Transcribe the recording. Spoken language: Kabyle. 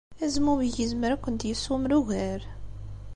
Azmumeg yezmer ad ken-yessumar ugar.